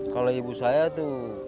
kalau ibu saya tuh